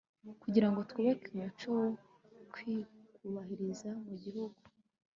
kugirango twubake umuco wo kubwubahiriza mu gihugu